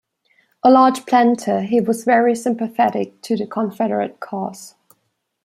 A large planter, he was very sympathetic to the Confederate cause.